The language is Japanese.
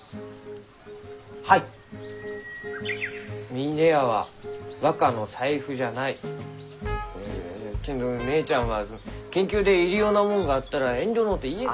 「峰屋は若の財布じゃない」。うけんど姉ちゃんは研究で入り用なもんがあったら遠慮のうて言えと。